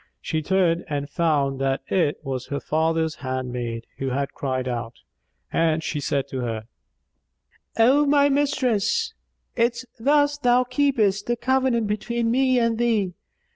She turned and found that it was her father's handmaid, who had cried out; and she said to her, "O my mistress, is't thus thou keepest the covenant between me and thee?